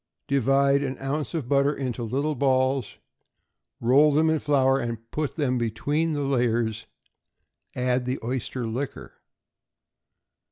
Divide an ounce of butter into little balls, roll them in flour, and put them between the layers; add the oyster liquor.